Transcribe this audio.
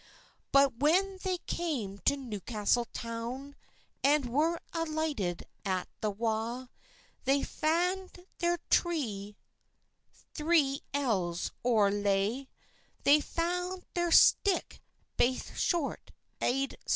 But when they came to Newcastle toun, And were alighted at the wa, They fand their tree three ells oer laigh, They fand their stick baith short aid sma.